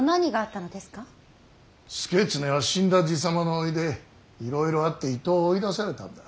祐経は死んだ爺様の甥でいろいろあって伊東を追い出されたんだ。